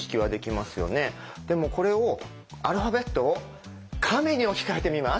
でもこれをアルファベットを亀に置き換えてみます。